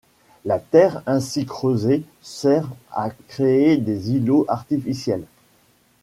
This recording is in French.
La terre ainsi creusée sert à créer des îlots artificiels.